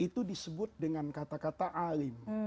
itu disebut dengan kata kata alim